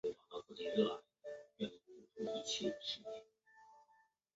在线仿真器总是将待开发的嵌入式系统连接到一个终端或个人电脑。